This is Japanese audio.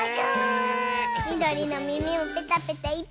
みどりのみみもペタペタいっぱい！